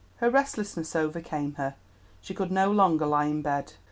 Her restlessness overcame her. She could no longer lie in bed.